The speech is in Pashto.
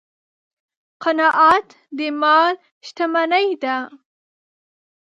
قناعت د مال شتمني ده.